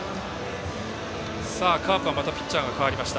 カープはまたピッチャーが代わりました。